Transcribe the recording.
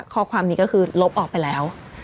ข้อความนี้ก็คือลบออกไปแล้ว